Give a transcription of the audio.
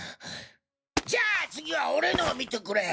じゃあ次は俺のを見てくれよ！